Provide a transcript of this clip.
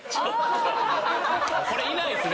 これいないっすね